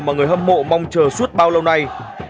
mà người hâm mộ mong chờ suốt bao lâu nay